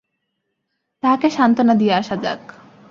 তাঁহাকে সান্ত্বনা দিয়া আসা যাক।